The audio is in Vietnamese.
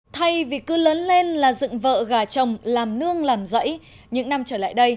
thay vì cứ lớn lên là dựng vợ gà chồng làm nương làm rẫy những năm trở lại đây